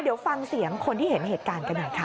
เดี๋ยวฟังเสียงคนที่เห็นเหตุการณ์กันหน่อยค่ะ